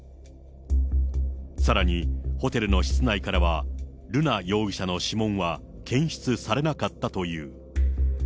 さらに、ホテルの室内からは、瑠奈容疑者の指紋は検出されなかったという。